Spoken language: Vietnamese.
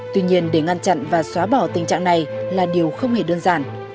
tuy nhiên để ngăn chặn và xóa bỏ tình trạng này là điều không hề đơn giản